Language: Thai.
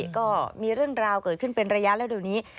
ก็มีเรื่องราวเกิดขึ้นเป็นระยะแล้วเดี๋ยวนี้